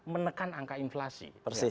menekan angka inflasi